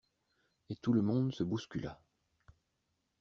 Et tout le monde se bouscula.